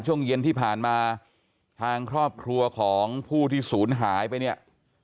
ช่วงเย็นที่ผ่านมาทางครอบครัวของผู้ที่ศูนย์หายไปเนี่ย